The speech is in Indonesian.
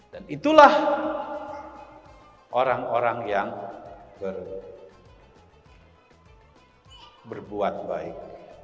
dan itulah orang orang yang berbuat baik